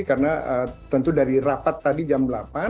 karena tentu dari rapat tadi jam delapan